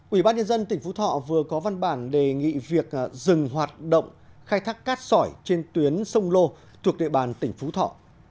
ủy ban nhân dân tỉnh phú thọ vừa có văn bản đề nghị việc dừng hoạt động khai thác cát sỏi trên tuyến sông lô thuộc địa bàn tỉnh phú thọ